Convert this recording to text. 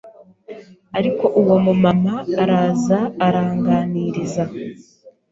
ariko uwo mumama araza aranganiriza